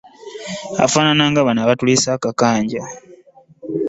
Ofaanana nga bano abatuliisa akakanja.